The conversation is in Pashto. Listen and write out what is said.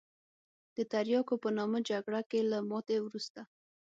د تریاکو په نامه جګړه کې له ماتې وروسته.